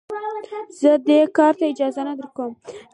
زه دې کار اجازه نه درکوم.